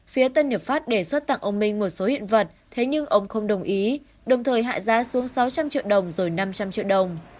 phía tân hiệp pháp đề xuất tặng ông minh một số hiện vật thế nhưng ông không đồng ý đồng thời hạ giá xuống sáu trăm linh triệu đồng rồi năm trăm linh triệu đồng